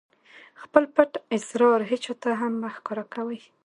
خپل پټ اسرار هېچاته هم مه ښکاره کوئ!